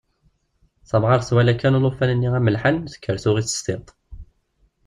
Tamɣart twala kan lṭufan-nni amelḥan tekker tuɣ-it s tiṭ.